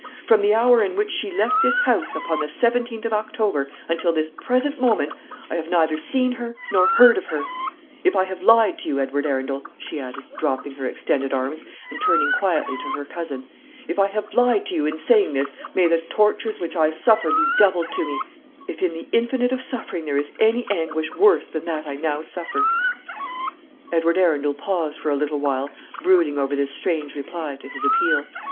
From the hour in which she left this house, upon the 17th of October, until this present moment, I have neither seen her nor heard of her. If I have lied to you, Edward Arundel," she added, dropping her extended arms, and turning quietly to her cousin, "if I have lied to you in saying this, may the tortures which I suffer be doubled to me, if in the infinite of suffering there is any anguish worse than that I now endure." Edward Arundel paused for a little while, brooding over this strange reply to his appeal.